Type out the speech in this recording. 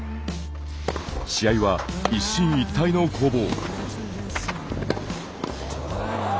試合は、一進一退の攻防。